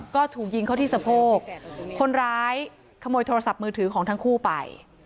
ก็ถูกยิงเข้าที่สะโพกคนร้ายขโมยโทรศัพท์มือถือของทั้งคู่ไป